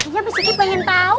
iya besiki pengen tau